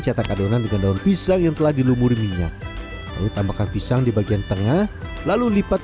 sorghum yang telah terfermentasi selama satu jam